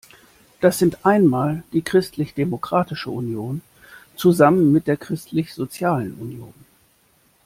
Das sind einmal die Christlich Demokratische Union zusammen mit der Christlich sozialen Union.